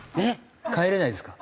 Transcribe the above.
帰れないですか？